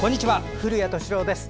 古谷敏郎です。